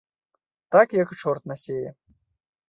Так як чорт насее!